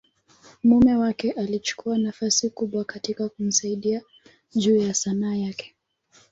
mume wake alichukua nafasi kubwa katika kumsaidia juu ya Sanaa yake.